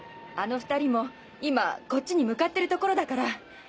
あの２人も今こっちに向かってるところだから。